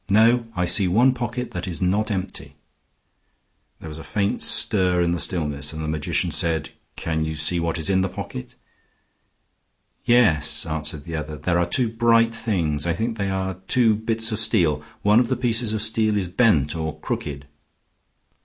No; I see one pocket that is not empty." There was a faint stir in the stillness, and the magician said, "Can you see what is in the pocket?" "Yes," answered the other; "there are two bright things. I think they are two bits of steel. One of the pieces of steel is bent or crooked."